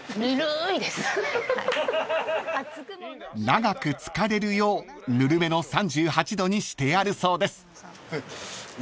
［長く漬かれるようぬるめの３８度にしてあるそうです］